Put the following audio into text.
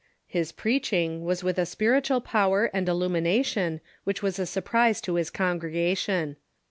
His preaching was with a spiritual power and illumination which Avas a surprise to his congregation.